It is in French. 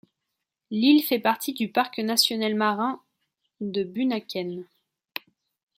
L'île fait partie du Parc national marin de Bunaken.